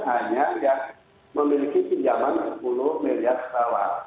hanya yang memiliki pinjaman sepuluh miliar rupiah